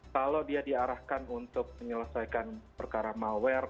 kalau dia diarahkan untuk menyelesaikan perkara malware